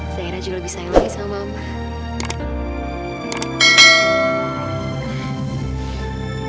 zaira juga lebih sayang lagi sama mama